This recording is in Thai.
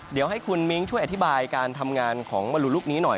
เดี๋ยวให้คุณมิ้งช่วยอธิบายการทำงานของมรุลูกนี้หน่อย